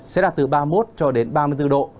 sẽ là từ ba mươi một ba mươi bốn độ